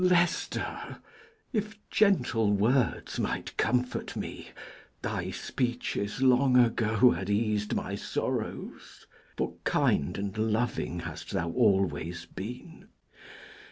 K. Edw. Leicester, if gentle words might comfort me, Thy speeches long ago had eas'd my sorrows, For kind and loving hast thou always been.